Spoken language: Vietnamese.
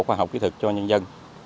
khoa học kỹ thực cho nhân dân